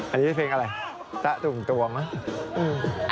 อันนี้เพลงอะไรตะตุ่งตวงเนอะ